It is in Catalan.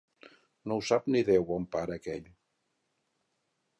No ho sap ni Déu, on para, aquell!